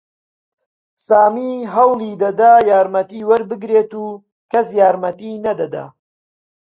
سامی هەوڵی دەدا یارمەتی وەربگرێت و کەس یارمەتیی نەدەدا.